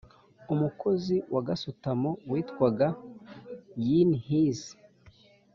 umukozi wa gasutamo witwaga yin his